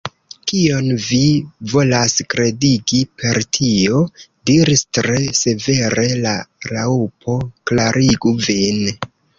"Kion vi volas kredigi per tio?" diris tre severe la Raŭpo. "Klarigu vin."